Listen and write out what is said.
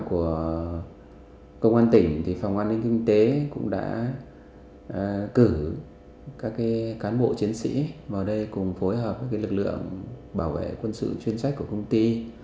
của công an tỉnh thì phòng an ninh kinh tế cũng đã cử các cán bộ chiến sĩ vào đây cùng phối hợp với lực lượng bảo vệ quân sự chuyên trách của công ty